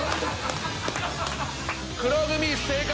黒組正解！